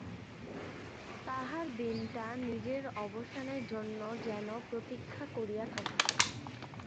তাহার দিনটা নিজের অবসানের জন্য যেন প্রতীক্ষা করিয়া থাকিত।